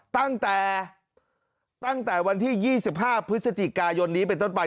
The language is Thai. ตั้งแต่ตั้งแต่วันที่๒๕พฤศจิกายนนี้เป็นต้นไป